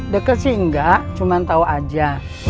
deket sih enggak cuma tahu aja